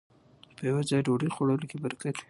په يوه ځای ډوډۍ خوړلو کې برکت وي